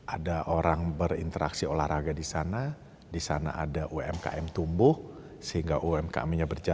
ada orang berinteraksi olahraga di sana di sana ada umkm tumbuh sehingga umkmnya bertambah